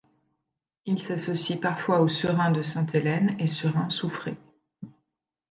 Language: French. Il s’associe parfois aux serins de Sainte-Hélène et serins soufré.